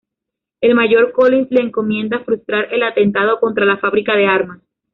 El mayor Collins les encomienda frustrar el atentado contra la fábrica de armas.